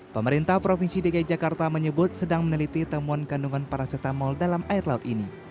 pemerintah provinsi dki jakarta menyebut sedang meneliti temuan kandungan paracetamol dalam air laut ini